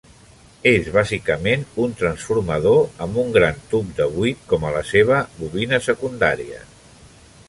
És bàsicament un transformador amb un gran tub de buit com a la seva bobina secundària.